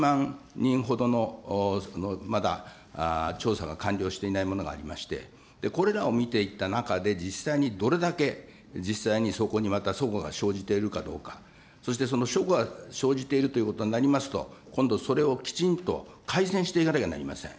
人ほどの、まだ調査が完了していないものがありまして、これらを見ていった中で、実際にどれだけ実際にそこにまた、そごが生じてるかどうか、そしてそのそごが生じているということになりますと、今度、それをきちんと改善していかなければなりません。